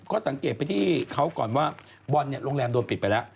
ก็สังเกตไปที่เขาก่อนว่าบอลเนี่ยโรงแรมโดนปิดไปแล้ว